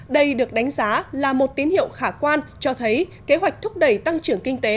đây được đánh giá là một tín hiệu khả quan cho thấy kế hoạch thúc đẩy tăng trưởng kinh tế